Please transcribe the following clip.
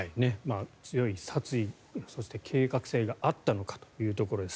強い殺意、そして計画性があったのかというところです。